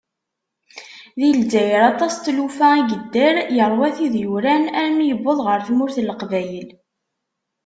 Di lezzayer, aṭas n tlufa i yedder, yerwa tid yuran armi yewweḍ ɣer tmurt n Leqbayel.